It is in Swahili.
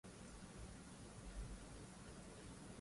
wakati huu ambapo mjumbe wa marekani geoffrey feltham